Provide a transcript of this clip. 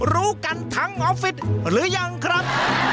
รู้กันทั้งหมอฟิศหรือยังครับ